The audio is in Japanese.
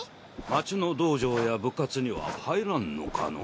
町の道場や部活には入らんのかの？